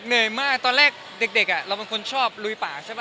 เหนื่อยมากตอนแรกเด็กเราเป็นคนชอบลุยปากใช่ไหม